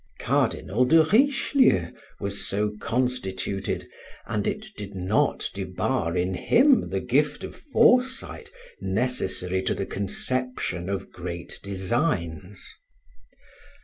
Cardinal de Richelieu was so constituted, and it did not debar in him the gift of foresight necessary to the conception of great designs.